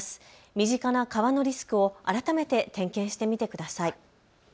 身近な川のリスクを改めて点検してみてください。